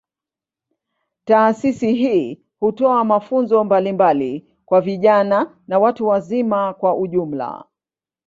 Taasisi hii hutoa mafunzo mbalimbali kwa vijana na watu wazima kwa ujumla.